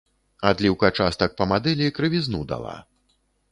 Адліўка частак па мадэлі крывізну дала.